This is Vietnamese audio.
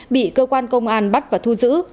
bị cơ quan công an bắt và thu giữ